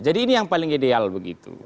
jadi ini yang paling ideal begitu